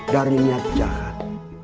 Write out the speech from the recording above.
dari niat jahat